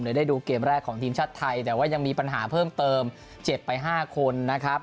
ได้ดูเกมแรกของทีมชาติไทยแต่ว่ายังมีปัญหาเพิ่มเติมเจ็บไป๕คนนะครับ